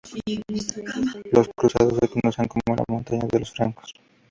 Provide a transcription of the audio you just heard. Los cruzados lo conocían como la "Montaña de los Francos".